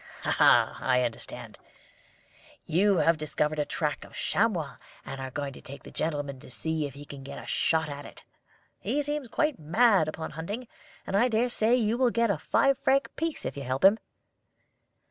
"Aha! I understand. You have discovered the track of a chamois, and are going to take the gentleman to see if he can get a shot at it. He seems quite mad upon hunting, and I dare say you will get a five franc piece if you help him."